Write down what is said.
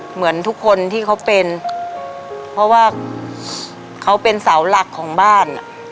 เหมือนทุกคนที่เขาเป็นเพราะว่าเขาเป็นเสาหลักของบ้าน